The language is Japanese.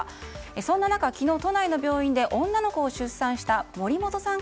そんな中、昨日都内の病院で女の子を出産した森本さん